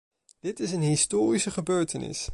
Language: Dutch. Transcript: Dit is een historische gebeurtenis.